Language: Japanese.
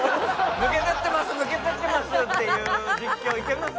「抜けちゃってます抜けちゃってます」っていう実況いけます？